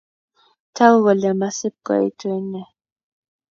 Taguu kole mashipkoitu ine